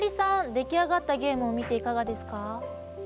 出来上がったゲームを見ていかがですか。